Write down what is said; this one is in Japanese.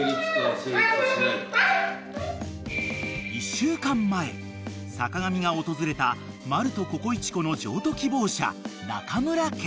［１週間前坂上が訪れたマルとココイチ子の譲渡希望者中村家］